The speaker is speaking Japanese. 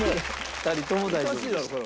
２人とも大丈夫でした。